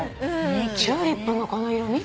チューリップのこの色見て！